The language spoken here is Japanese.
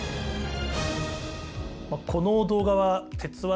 この動画は「鉄腕！